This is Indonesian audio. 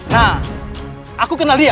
nah aku kenal dia